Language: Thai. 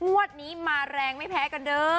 งวดนี้มาแรงไม่แพ้กันเด้อ